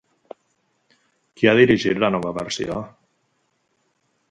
Qui ha dirigit la nova versió?